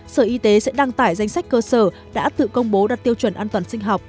sở y tế sẽ đăng tải danh sách cơ sở đã tự công bố đặt tiêu chuẩn an toàn sinh học